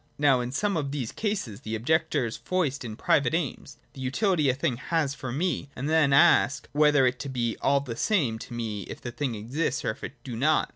Now in some of these cases, the objectors foist in private aims, the utility a thing has for me, and then ask, whether it be all the same to me if the thing exist and if it do not.